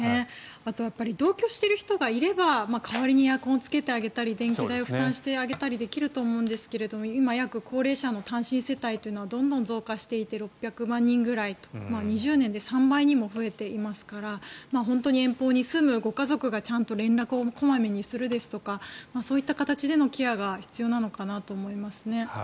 同居している人がいれば代わりにエアコンをつけてあげたり電気代を負担してあげたりできると思うんですけど今、高齢者の単身世帯はどんどん増加していて６００万人くらい２０年で３倍くらいに増えてますから本当に遠方に住むご家族が連絡を小まめにするですとかそういった形でのケアが必要なのかなと思いますね。